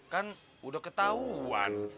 kan udah ketauan